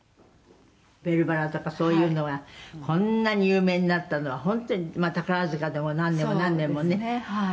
「『ベルばら』とかそういうのはこんなに有名になったのは本当に宝塚でも何年も何年もね上演されたりとか」